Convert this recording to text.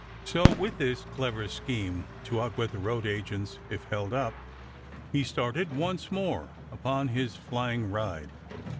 So with this clever scheme to outwit the road agents, if held up, he started once more upon his flying ride.